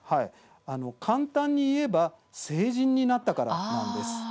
簡単に言えば成人になったからなんです。